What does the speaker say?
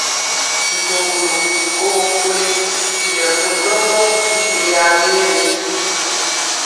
Ntuŋgulu, kogo kuli nɛ mu ɗɔmbɔ i ɓeyaa myeri.